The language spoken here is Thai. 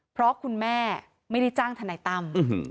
เพราะคุณแม่ไม่ได้จ้างทนายตั้ม